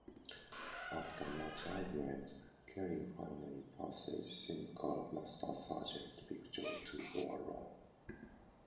After much argument, Kelly finally persuades cynical Master Sergeant "Big Joe" to go along.